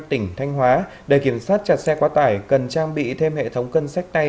tỉnh thanh hóa để kiểm soát chặt xe quá tải cần trang bị thêm hệ thống cân sách tay